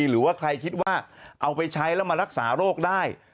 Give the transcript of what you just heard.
หรือว่าใครคิดว่าเอาไปใช้แล้วมารักษาโรคได้